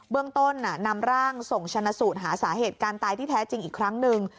เรื่องต้นนำร่างส่งชนะสูตรหาสาเหตุการตายที่แท้จริงอีกครั้งหนึ่ง